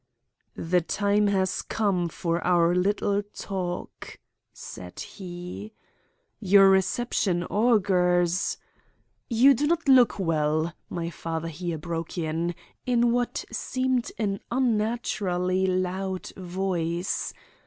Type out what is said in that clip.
"'The time has come for our little talk,' said he. 'Your reception augurs—' "'You do not look well,' my father here broke in, in what seemed an unnaturally loud voice.